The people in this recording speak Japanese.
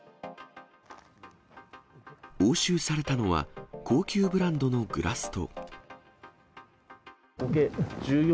押収されたのは、高級ブランドのグラスと。